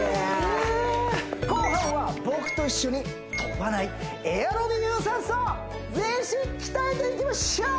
後半は僕と一緒に跳ばないエアロビ有酸素全身鍛えていきましょう！